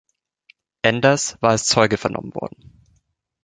Enders war als Zeuge vernommen worden.